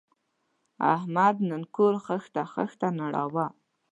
احمد نن کور خښته خښته نړاوه.